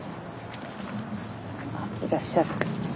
あっいらっしゃる。